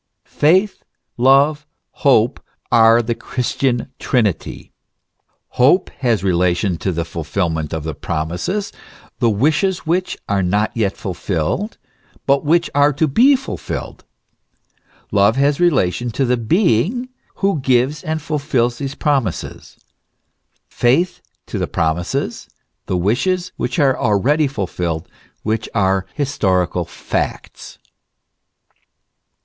Faith, love, hope, are the Christian Trinity. Hope has relation to the fulfilment of the promises, the wishes which are not yet fulfilled, but which are to be fulfilled ; love has relation to the Being who gives and fulfils these promises ; faith to the promises, the wishes, which are already fulfilled, which are historical facts.